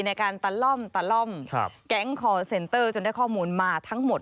ในการตะล่อมตะล่อมแก๊งคอร์เซ็นเตอร์จนได้ข้อมูลมาทั้งหมด